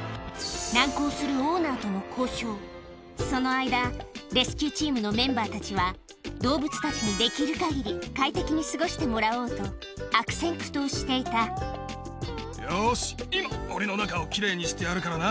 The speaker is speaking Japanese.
オーナーとのその間レスキューチームのメンバーたちは動物たちにできる限り快適に過ごしてもらおうと悪戦苦闘していたよし今オリの中を奇麗にしてやるからな。